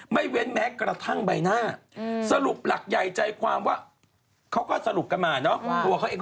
เว้นแม้กระทั่งใบหน้าสรุปหลักใหญ่ใจความว่าเขาก็สรุปกันมาเนอะ